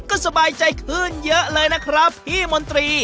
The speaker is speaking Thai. ก็สบายใจขึ้นเยอะเลยนะครับพี่มนตรี